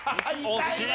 惜しい。